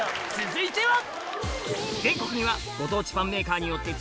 続いては！